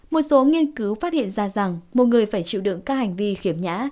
một số nghiên cứu phát hiện ra rằng một người phải chịu đựng các hành vi khiếm nhã